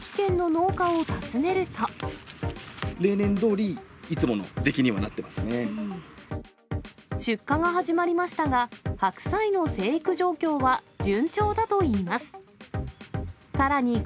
例年どおり、いつもの出来に出荷が始まりましたが、白菜の生育状況は順調だといいます。